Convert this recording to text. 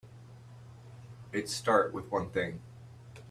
It start with one thing.